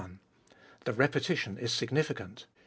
The repetition is significant.